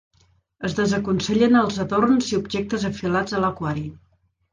Es desaconsellen els adorns i objectes afilats a l'aquari.